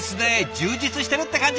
充実してるって感じ！